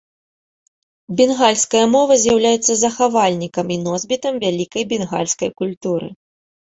Бенгальская мова з'яўляецца захавальнікам і носьбітам вялікай бенгальскай культуры.